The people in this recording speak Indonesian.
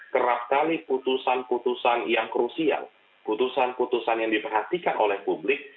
kerap kali putusan putusan yang krusial putusan putusan yang diperhatikan oleh publik